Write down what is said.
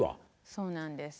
そうなんです。